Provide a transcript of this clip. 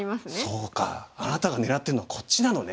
「そうかあなたが狙ってるのはこっちなのね」。